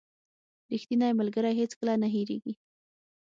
• ریښتینی ملګری هیڅکله نه هېریږي.